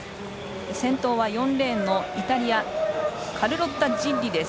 先頭は４レーンのイタリアカルロッタ・ジッリです。